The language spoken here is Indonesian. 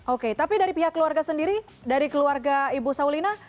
oke tapi dari pihak keluarga sendiri dari keluarga ibu saulina